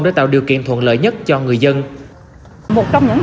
để tạo điều kiện thuận lợi nhất cho người dân